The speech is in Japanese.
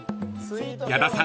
［矢田さん